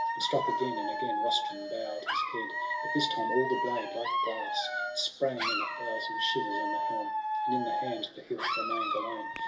And struck again; and again Rustum bow'd His head; but this time all the blade, like glass. Sprang in a thousand shivers on the helm, And in the hand the hilt remain'd alone.